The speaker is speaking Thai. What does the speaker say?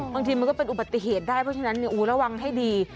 บางทีมันก็เป็นอุบัติเหตุได้เพราะฉะนั้นระวังให้ดี